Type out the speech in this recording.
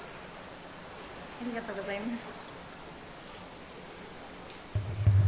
ありがとうございます。